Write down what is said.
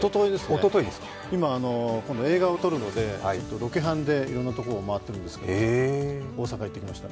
おとといですね、今、映画を撮るので、ロケハンでいろんなところを回っているんですけど、大阪に行っていました。